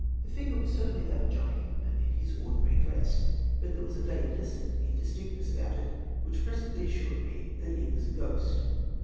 The figure was certainly that of John Hinckman in his ordinary dress, but there was a vagueness and indistinctness about it which presently assured me that it was a ghost.